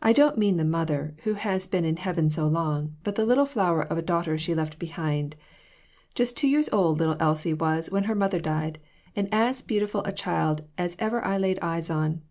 I don't mean the mother, who has been in heaven so long, but the little flower of a daughter she left behind. Just two years old little Elsie was when her mother died, and as beautiful a child as ever I laid eyes on.